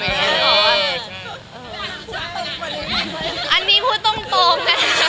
อันนี้พูดตกตรง